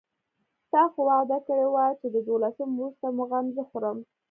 تا خو وعده کړې وه چې د دولسم وروسته مو غم زه خورم.